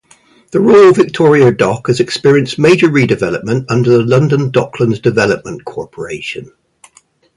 The Royal Victoria Dock has experienced major redevelopment under the London Docklands Development Corporation.